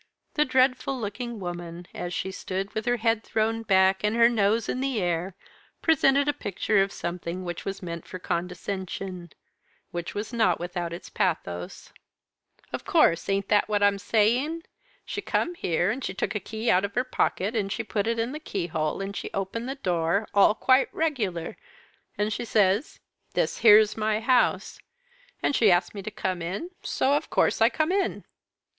The dreadful looking woman, as she stood with her head thrown back, and her nose in the air, presented a picture of something which was meant for condescension, which was not without its pathos. "Of course! ain't that what I'm saying? She come here, and she took a key out of her pocket, and she put it in the keyhole, and she opened the door, all quite regular, and she says, 'This here's my house,' and she asked me to come in, so of course I come in."